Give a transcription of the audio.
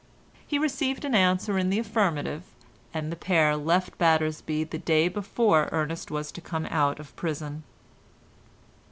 He received answer in the affirmative, and the pair left Battersby the day before Ernest was to come out of prison.